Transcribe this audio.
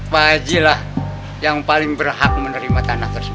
pak haji lah yang paling berhak menerima tanah tersebut